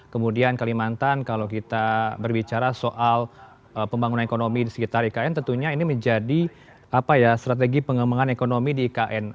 kemudian kalimantan kalau kita berbicara soal pembangunan ekonomi di sekitar ikn tentunya ini menjadi strategi pengembangan ekonomi di ikn